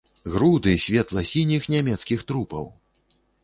Груды светла-сініх нямецкіх трупаў!